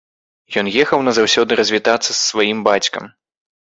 Ён ехаў назаўсёды развітацца з сваім бацькам.